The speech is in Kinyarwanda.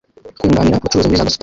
kunganira abacuruzi muri za Gasutamo